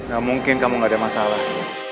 gak mungkin kamu gak ada masalah